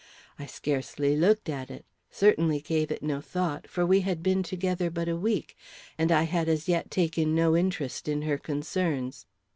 I scarcely looked at it, certainly gave it no thought, for we had been together but a week, and I had as yet taken no interest in her concerns.